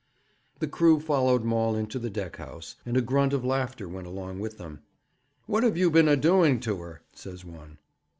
The crew followed Maul into the deck house, and a grunt of laughter went along with them. 'What have you been a doing to her?' says one.